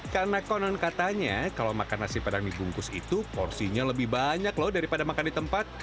karena konon katanya kalau makan nasi padang dibungkus itu porsinya lebih banyak loh daripada makan di tempat